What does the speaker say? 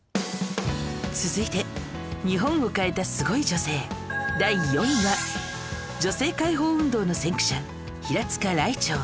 続いて日本を変えたスゴい女性第４位は女性解放運動の先駆者平塚らいてう